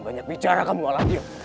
banyak bicara kamu alatnya